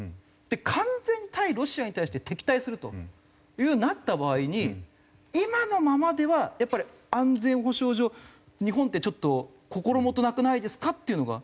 完全にロシアに対して敵対するというようになった場合に今のままではやっぱり安全保障上日本ってちょっと心もとなくないですかっていうのが。